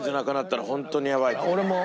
俺も。